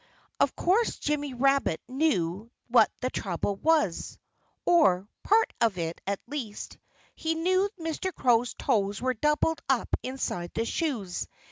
Of course Jimmy Rabbit knew what the trouble was or part of it, at least. He knew that Mr. Crow's toes were doubled up inside the shoes.